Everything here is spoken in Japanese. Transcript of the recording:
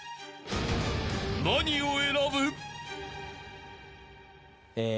［何を選ぶ？］